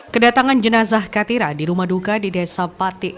kedatangan jenazah katira di rumah duka di desa patik